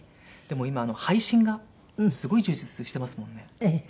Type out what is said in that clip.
でも今配信がすごい充実してますもんね。